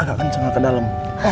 agak kenceng gak ke dalam